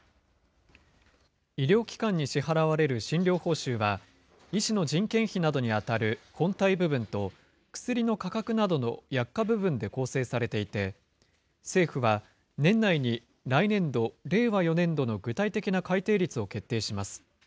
医療機関に支払われる診療報酬は、医師の人件費などに当たる本体部分と、薬の価格などの薬価部分で構成されていて、政府は年内に、来年度・令和４年度の具体的な改定率を決定します。